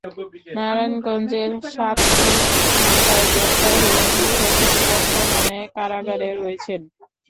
নারায়ণগঞ্জের সাত খুন মামলায় গ্রেপ্তার হয়ে নূর হোসেন বর্তমানে কারাগারে রয়েছেন।